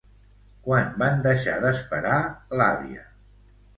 Quan van deixar d'esperar l'àvia?